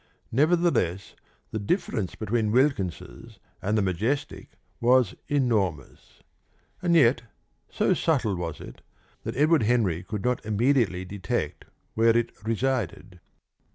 Nevertheless, the difference between Wilkins's and the Majestic was enormous; and yet so subtle was it that Edward Henry could not immediately detect where it resided.